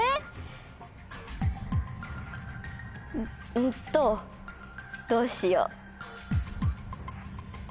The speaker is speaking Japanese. うんとどうしよう？